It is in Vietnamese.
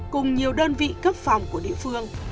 cùng nhiều đơn vị cấp phòng của địa phương